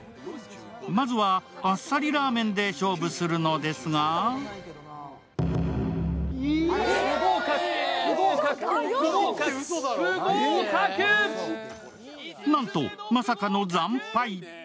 まずは、あっさりラーメンで勝負するのですがなんと、まさかの惨敗。